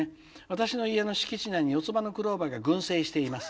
「私の家の敷地内に四つ葉のクローバーが群生しています。